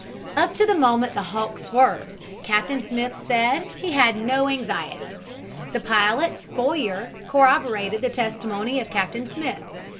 Up to the moment the Hawke swerved, Captain Smith said, he had no anxiety. The pilot, Bowyer, corroborated the testimony of Captain Smith.